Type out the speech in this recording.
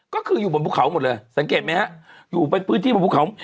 ก็คืออยู่บนภูเขาหมดเลยสังเกตไหมฮะอยู่เป็นพื้นที่บนภูเขา